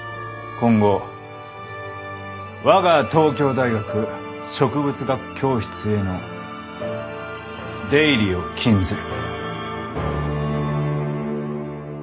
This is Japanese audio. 今後我が東京大学植物学教室への出入りを禁ずる。